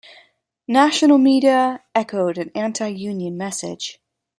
National media echoed an anti-union message.